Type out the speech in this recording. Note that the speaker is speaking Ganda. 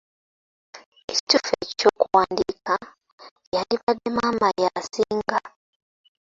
Ekituufu eky'okuwandiika kyandibadde maama y'asinga.